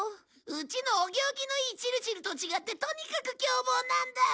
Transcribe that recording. うちのお行儀のいいチルチルと違ってとにかく凶暴なんだ。